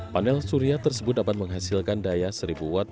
panel surya tersebut dapat menghasilkan daya seribu watt